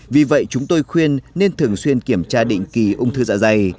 vì vậy chúng tôi khuyên nên thường xuyên kiểm tra định kỳ ung thư dạ dày